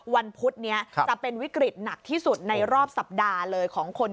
พุธนี้จะเป็นวิกฤตหนักที่สุดในรอบสัปดาห์เลยของคน